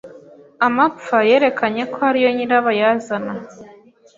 Amapfa yerekanye ko ari yo nyirabayazana